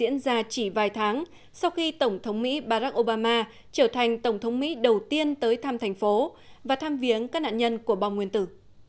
diễn ra chỉ vài tháng sau khi tổng thống mỹ barack obama trở thành tổng thống mỹ đầu tiên tới thăm thành phố và tham viếng các nạn nhân của bom nguyên tử